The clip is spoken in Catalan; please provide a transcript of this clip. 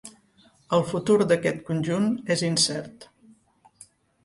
El futur d'aquest conjunt és incert.